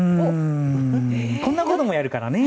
こんなこともやるからね。